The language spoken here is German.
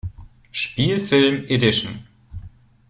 Spielfilm Edition.